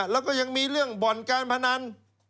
แล้วก็ยังมีเรื่องบ่อนการพนัน